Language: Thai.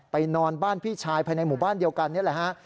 นอนบ้านพี่ชายภายในหมู่บ้านเดียวกันนี่แหละฮะ